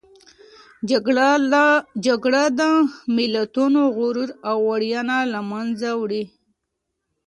جګړه د ملتونو غرور او ویاړونه له منځه وړي.